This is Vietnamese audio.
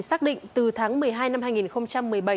xác định từ tháng một mươi hai năm hai nghìn một mươi bảy